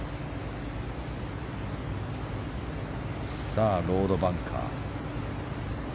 さあ、ロードバンカー。